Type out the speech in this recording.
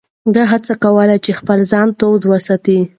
ده هڅه کوله چې خپل ځان تود وساتي.